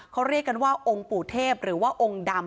เขาเรียกกันว่าองค์ปู่เทพหรือว่าองค์ดำ